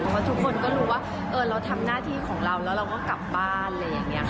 แล้วทุกคนก็รู้ว่าเราทำหน้าที่ของเราแล้วเราก็กลับบ้าน